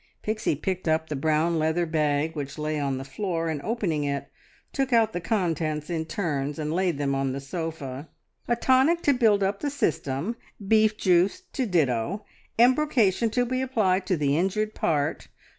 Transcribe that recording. Pixie picked up the brown leather bag which lay on the floor, and opening it, took out the contents in turns, and laid them on the sofa. "A tonic to build up the system. Beef juice, to ditto. Embrocation to be applied to the injured part.